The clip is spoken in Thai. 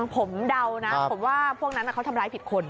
ผมเดานะผมว่าพวกนั้นเขาทำร้ายผิดคน